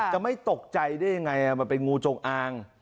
จะไม่ตกใจได้ยังไงมันเป็นงูจงอาง